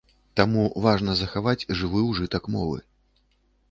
Таму важна захаваць жывы ўжытак мовы.